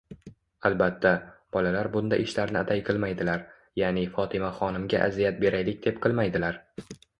Albatta, bolalar bunda ishlarni atay qilmaydilar. Ya'ni Fotimaxonimga aziyat beraylik deb qilmaydilar.